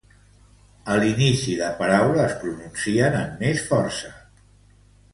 A l'inici de paraula, es pronuncien amb més força.